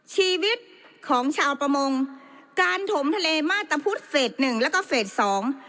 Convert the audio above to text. ชีวิตของชาวประมงการถมทะเลมาตรพุทธเฟสหนึ่งแล้วก็เฟสสอง